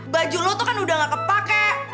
baju lo tuh kan udah gak kepake